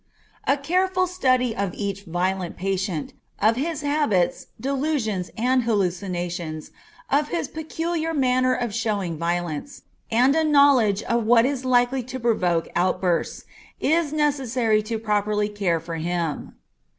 A careful study of each violent patient, of his habits, delusions, and hallucinations, of his peculiar manner of showing violence, and a knowledge of what is likely to provoke outbursts is necessary to properly care for him.